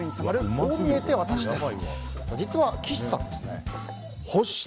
こう見えてワタシです。